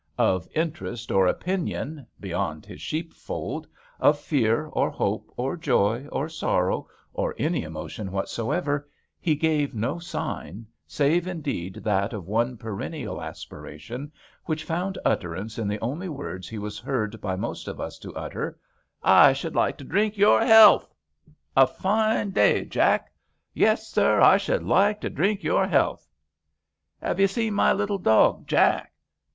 Of interest or opinion — beyond his sheepfold — of fear, or hope, or joy, or sorrow, or any emotion whatsoever, he gave no sign, save indeed that of one perennial aspiration which found utterance in the only words he was heard by most of us to utter —" I should like to drink your health !" "A fine day. Jack." "Yes, Sir; I should like to drink your health." Have you seen my little dog, Jack